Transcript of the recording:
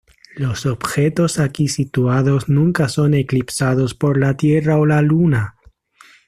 Los objetos aquí situados nunca son eclipsados por la Tierra o la Luna.